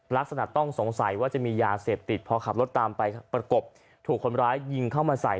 ลักษณะต้องสงสัยว่าจะมียาเสพติดพอขับรถตามไปประกบถูกคนร้ายยิงเข้ามาใส่